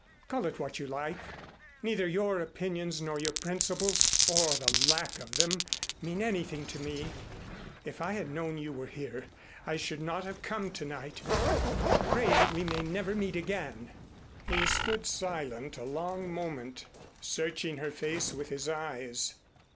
"Call it what you like. Neither your opinions nor your principles (or the lack of them) mean anything to me. If I had known you were here I should not have come to night. I pray that we may never meet again." He stood silent a long moment, searching her face with his eyes.